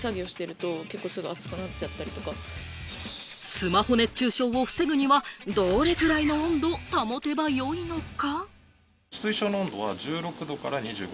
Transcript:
スマホ熱中症を防ぐには、どれくらいの温度を保てば良いのか。